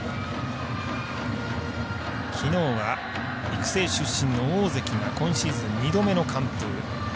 きのうは育成出身の大関が今シーズン、二度目の完封。